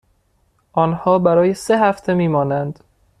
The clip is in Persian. آنها برای سه هفته می مانند.